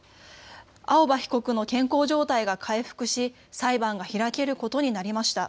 青葉被告の健康状態が回復し裁判が開けることになりました。